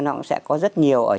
nó cũng sẽ có rất nhiều ở trong